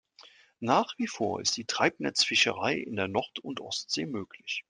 Nach wie vor ist die Treibnetzfischerei in der Nord- und Ostsee möglich.